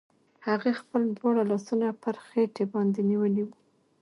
هغې خپل دواړه لاسونه پر خېټې باندې نيولي وو.